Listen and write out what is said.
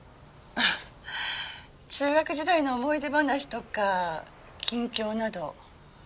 あ中学時代の思い出話とか近況など。